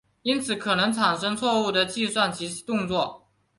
因此可能产生错误的计算及动作。